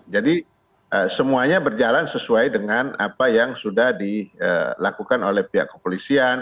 jadi semuanya berjalan sesuai dengan apa yang sudah dilakukan oleh pihak kepolisian